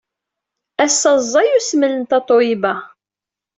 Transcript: Ass-a, ẓẓay usmel n Tatoeba.